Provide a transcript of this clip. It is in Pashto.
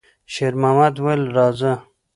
شېرمحمد وویل: «راځه!»